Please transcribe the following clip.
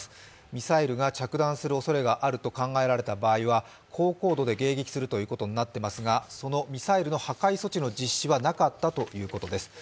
ミサイルが着弾するおそれがあると考えられた場合は高高度で迎撃するということになっていますが、そのミサイルの破壊措置の実施はなかったということです。